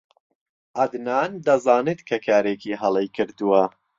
عەدنان دەزانێت کە کارێکی هەڵەی کردووە.